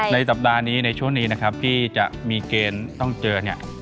สัปดาห์นี้ในช่วงนี้นะครับที่จะมีเกณฑ์ต้องเจอเนี่ย